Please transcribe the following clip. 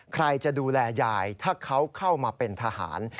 ใครจะดูแลยายถ้าเขาเข้ามาเป็นทหาร